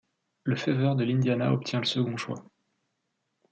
Le Fever de l'Indiana obtient le second choix.